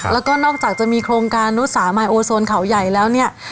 แล้วก็นอกจากจะมีโครงการนุสามายโอโซนเขาใหญ่แล้วเนี่ย